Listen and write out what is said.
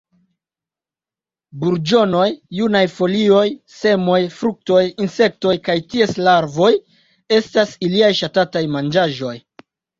Burĝonoj, junaj folioj, semoj, fruktoj, insektoj kaj ties larvoj estas iliaj ŝatataj manĝaĵoj.